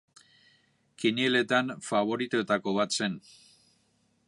Kinieletan faboritoetako bat zen.